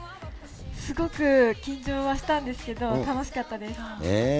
すごく緊張はしたんですけど、楽しかったです。